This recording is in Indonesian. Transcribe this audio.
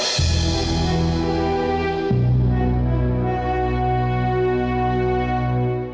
jadi kita bisa bertemu